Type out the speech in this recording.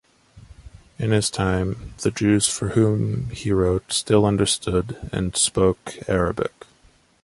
In his time, the Jews for whom he wrote still understood and spoke Arabic.